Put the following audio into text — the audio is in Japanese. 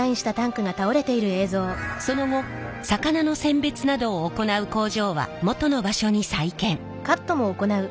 その後魚の選別などを行う工場は元の場所に再建。